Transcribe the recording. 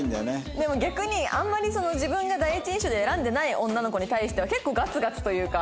でも逆にあんまり自分が第一印象で選んでない女の子に対しては結構ガツガツというか。